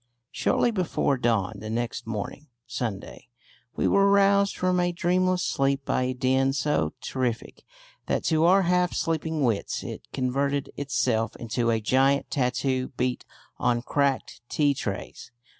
Shortly before dawn the next morning (Sunday) we were roused from a dreamless sleep by a din so terrific that to our half sleeping wits it converted itself into a giant tattoo beat on cracked tea trays.